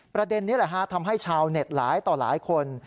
ประเด็นนี้แหละฮะทำให้ชาวเน็ตหลายต่อหลายคน